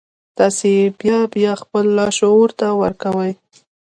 تاسې يې بيا بيا خپل لاشعور ته ورکوئ.